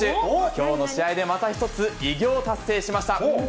きょうの試合でまた一つ、偉業を達成しました。